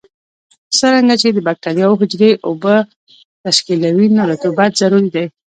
څرنګه چې د بکټریاوو حجرې اوبه تشکیلوي نو رطوبت ضروري دی.